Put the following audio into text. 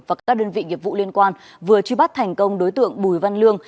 và các đơn vị nghiệp vụ liên quan vừa truy bắt thành công đối tượng bùi văn lương